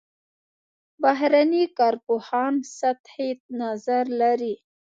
بهرني کارپوهان سطحي نظر لري.